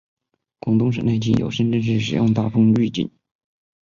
广东省内仅有深圳市使用大风预警。